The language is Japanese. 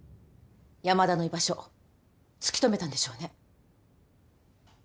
山田の居場所突き止めたんでしょうね。